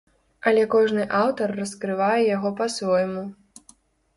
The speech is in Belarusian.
Але кожны аўтар раскрывае яго па-свойму.